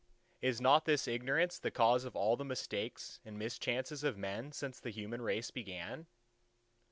Is not this ignorance the cause of all the mistakes and mischances of men since the human race began?